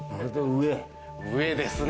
上ですね。